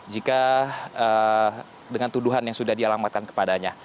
jika dengan tuduhan yang sudah dialamatkan kepadanya